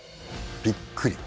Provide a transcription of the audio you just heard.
びっくり。